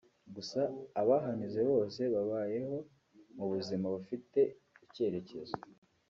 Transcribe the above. gusa abahanyuze bose babayeho mu buzima bufite icyerekezo